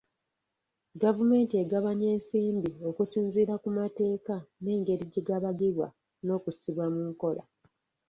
Gavumenti egabanya ensimbi okusinziira ku mateeka n'engeri gye gabagibwa n'okussibwa mu nkola.